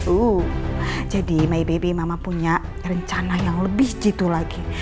uh jadi my baby mama punya rencana yang lebih gitu lagi